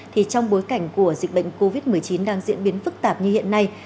thì trong bối cảnh của dịch bệnh covid một mươi chín đang diễn biến phức tạp như hiện nay